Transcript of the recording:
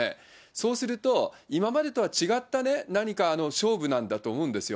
そうすると、今までとは違った何か勝負なんだと思うんですよ。